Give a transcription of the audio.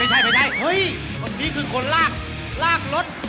ใช่เฮ้ยตอนนี้คือคนลากลากรถ